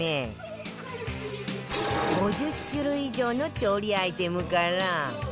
５０種類以上の調理アイテムから